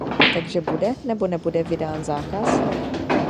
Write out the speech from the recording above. Takže bude, nebo nebude vydán zákaz?